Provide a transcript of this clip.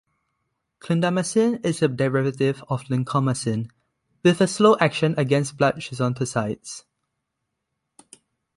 Clindamycin is a derivative of lincomycin, with a slow action against blood schizonticides.